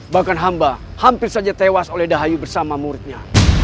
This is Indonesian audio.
bahkan hamba hampir saja tewas oleh dahayu bersama muridnya